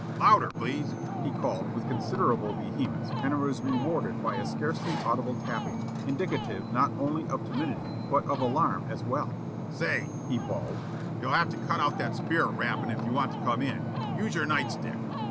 Louder, please!" he called with considerable vehemence and was rewarded by a scarcely audible tapping indicative not only of timidity but of alarm as well "Say," he bawled, "you'll have to cut out that spirit rapping if you want to come in. Use your night stick!"